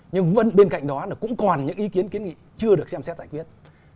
nhưng bên cạnh đó là cũng còn những ý kiến kiến nghị chưa được xem xét giải quyết